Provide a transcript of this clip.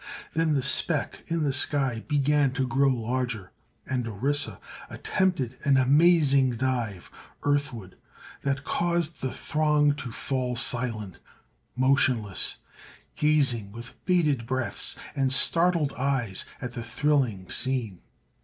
Then the speck in the sky began to grow larger, and Orissa attempted an amazing dive earthward that caused the throng to fall silent, motionless, gazing with bated breaths and startled eyes at the thrilling scene.